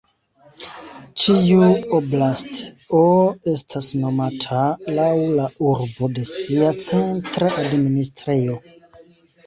Ĉiu "oblast"o estas nomata laŭ la urbo de sia centra administrejo.